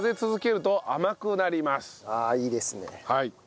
ああいいですね。